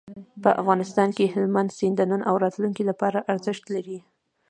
په افغانستان کې هلمند سیند د نن او راتلونکي لپاره ارزښت لري.